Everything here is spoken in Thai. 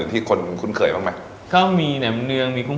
เปิด๑๑โมงปิด๑๒ทุ่ม